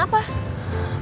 kau mau pesan apa